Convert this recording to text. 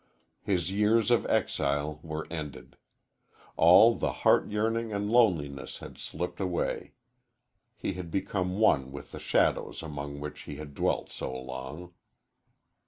His years of exile were ended. All the heart yearning and loneliness had slipped away. He had become one with the shadows among which he had dwelt so long.